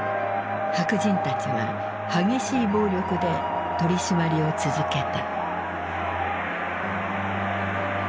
白人たちは激しい暴力で取り締まりを続けた。